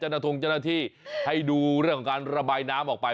จนธงจะอาทิให้ดูเรื่องของการระบายน้ำออกไป